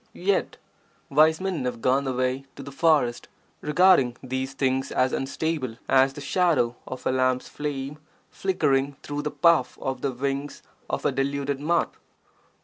Yet, wise men have gone away to the forest, regarding these things as unstable as the shadow of a lamp's flame flickering through the puff of the wings of a deluded moth.